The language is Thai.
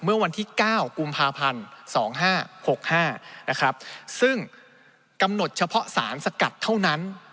เมื่อวันที่๙กุมภาพันธ์๒๕๖๕นะครับซึ่งกำหนดเฉพาะสารสกัดเท่านั้น